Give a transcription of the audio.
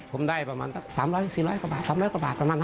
ผมได้ประมาณประมาณ๓๔ร้อยกว่าบาท